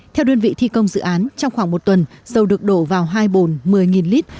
theo đơn vị thi công dự án trong khoảng một tuần dầu được đổ vào hai bồn một mươi lít